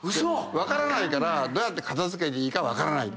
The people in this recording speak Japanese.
分からないからどうやって片付けていいか分からない。